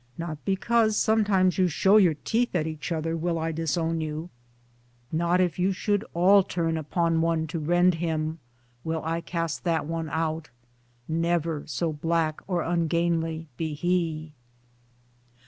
not because sometimes you show your teeth at each other will I disown you ; not if you should all turn upon one to rend him, will I cast that one out — never so black or ungainly be he.